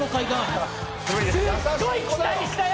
すっごい期待したよ。